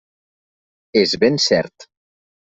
És ben cert.